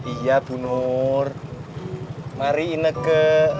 iya bu nur mari inek ke